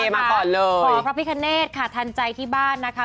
มาก่อนเลยขอพระพิคเนธค่ะทันใจที่บ้านนะคะ